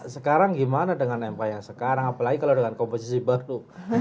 sekarang gimana dengan mk yang sekarang apalagi kalau dengan komposisi baru